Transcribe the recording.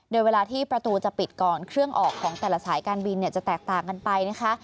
โดยเวลาที่ประตูจะปิดก่อนเครื่องออกของแต่ละสายการบินจะแตกต่างกันไปนะคะ